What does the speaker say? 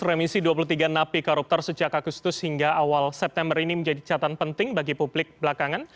remisi dua puluh tiga napi koruptor sejak agustus hingga awal september ini menjadi catatan penting bagi publik belakangan